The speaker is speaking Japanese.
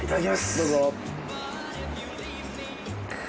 どうぞ。